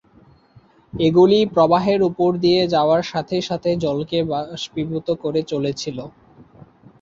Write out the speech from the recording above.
এগুলি প্রবাহের উপর দিয়ে যাওয়ার সাথে সাথে জলকে বাষ্পীভূত করে চলেছিল।